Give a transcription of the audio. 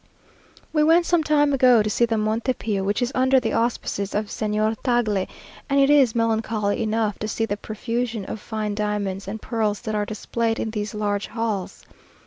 We went some time ago to see the Monte Pio, which is under the auspices of Señor Tagle; and it is melancholy enough to see the profusion of fine diamonds and pearls that are displayed in these large halls.